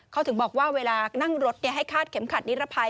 เขาถึงบอกว่าเวลานั่งรถให้คาดเข็มขัดนิรภัย